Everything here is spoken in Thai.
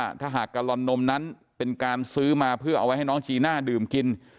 ถ้าหากกะลอนนมนั้นเป็นการซื้อมาเพื่อเอาไว้ให้น้องจีน่าดื่มกิน